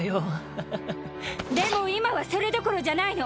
ハハハでも今はそれどころじゃないの！